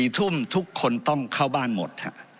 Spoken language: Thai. ๔ทุ่มทุกคนต้องเข้าบ้านหมด